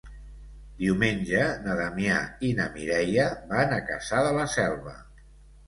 Diumenge na Damià i na Mireia van a Cassà de la Selva.